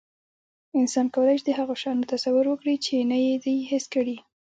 انسان کولی شي، د هغو شیانو تصور وکړي، چې نه یې دي حس کړي.